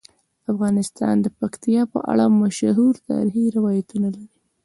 افغانستان د پکتیا په اړه مشهور تاریخی روایتونه لري.